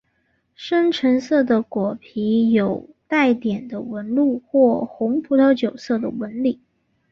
深橙色的果皮有带点的纹路或红葡萄酒色的纹理。